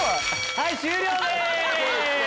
はい終了です！